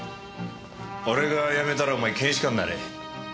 俺が辞めたらお前検視官になれ。